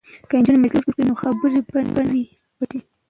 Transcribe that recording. که نجونې مجلس جوړ کړي نو خبرې به نه وي پټې.